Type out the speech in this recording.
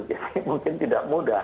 jadi mungkin tidak mudah